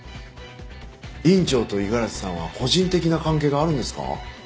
院長と五十嵐さんは個人的な関係があるんですか？